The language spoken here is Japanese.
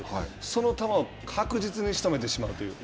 その球を確実にしとめてしまうという。